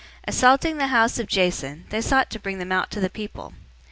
Assaulting the house of Jason, they sought to bring them out to the people.